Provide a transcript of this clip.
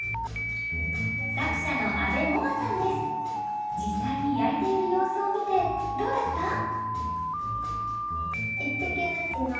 作者の実際に焼いている様子を見てどうだった？